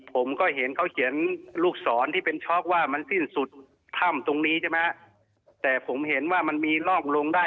ผมก็เห็นเขาเขียนลูกศรที่เป็นช็อกว่ามันสิ้นสุดถ้ำตรงนี้ใช่ไหมแต่ผมเห็นว่ามันมีร่องลงได้